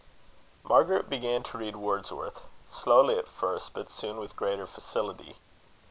Margaret began to read Wordsworth, slowly at first, but soon with greater facility.